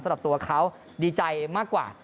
สำหรับตัวเขาดีใจมากกว่า